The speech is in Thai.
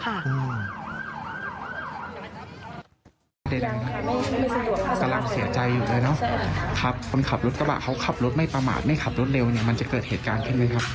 กำลังเสียใจอยู่เลยเนอะครับคนขับรถกระบะเขาขับรถไม่ประมาทไม่ขับรถเร็วเนี่ยมันจะเกิดเหตุการณ์ขึ้นไหมครับ